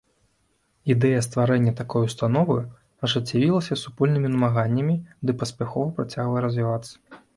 Ідэя стварэння такой установы ажыццявілася супольнымі намаганнямі ды паспяхова працягвае развівацца.